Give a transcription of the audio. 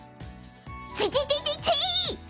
テテテテテイッ！